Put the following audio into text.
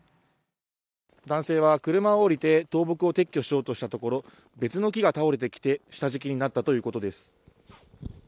男性は車を降りて倒木を撤去しようとしたところ別の木が倒れてきて下敷きになったということです